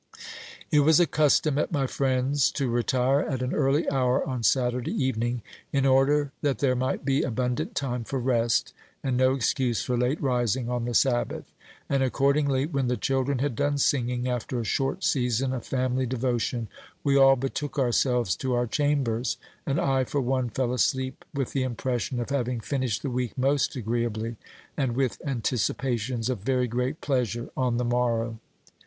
It was a custom at my friend's to retire at an early hour on Saturday evening, in order that there might be abundant time for rest, and no excuse for late rising on the Sabbath; and, accordingly, when the children had done singing, after a short season of family devotion, we all betook ourselves to our chambers, and I, for one, fell asleep with the impression of having finished the week most agreeably, and with anticipations of very great pleasure on the morrow.